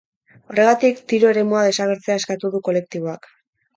Horregatik, tiro eremua desagertzea eskatu du kolektiboak.